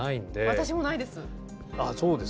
私もないです。